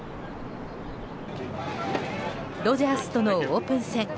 ドジャースとのオープン戦。